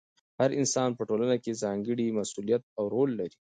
هر انسان په ټولنه کې ځانګړی مسؤلیت او رول لري.